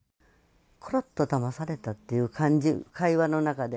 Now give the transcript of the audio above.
ころっとだまされたっていう感じ、会話の中で。